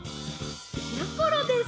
「やころです！